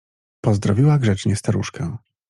Pozdrowiła grzecznie staruszkę.